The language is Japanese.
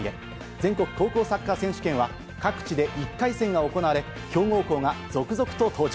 全国高校サッカー選手権は各地で１回戦が行われ、強豪校が続々と登場。